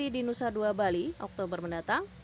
di nusa dua bali oktober mendatang